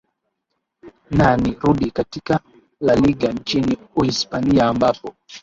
na ni rudi katika laliga nchini uhispania ambapo